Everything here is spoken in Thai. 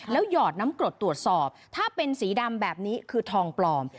หยอดน้ำกรดตรวจสอบถ้าเป็นสีดำแบบนี้คือทองปลอม